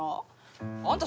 あんた